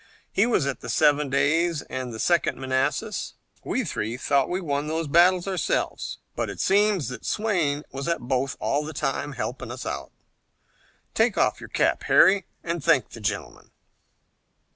He was at the Seven Days and the Second Manassas. We three thought we won those battles ourselves, but it seems that Swayne was at both all the time, helping us. Take off your cap, Harry, and thank the gentleman."